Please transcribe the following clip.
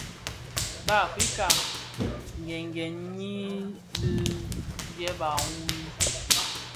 Di Afrika nghëghèn nyi di ndieba wui.